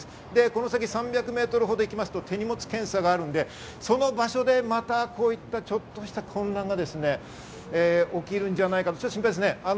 この先３００メートルほど行くと手荷物検査があるので、その場所でまた、こういったちょっとした混乱が起きるんじゃないか、心配ですね。